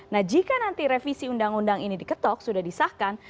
nah jika nanti revisi undang undang ini diketok sudah disahkan